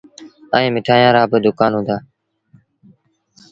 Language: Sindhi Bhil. ائيٚݩ مٺآيآن رآ دُڪآن با هُݩدآ۔